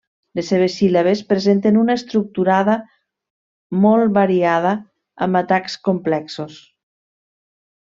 Les seves síl·labes presenten una estructurada molt variada, amb atacs complexos.